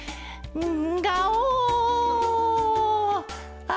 うん。